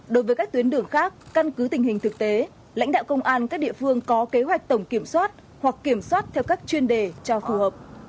đối với các tuyến đường khác căn cứ tình hình thực tế lãnh đạo công an các địa phương có kế hoạch tổng kiểm soát hoặc kiểm soát theo các chuyên đề cho phù hợp